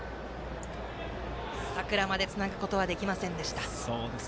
佐倉までつなぐことはできませんでした。